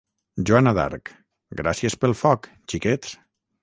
Joana d'Arc: gràcies pel foc, xiquets!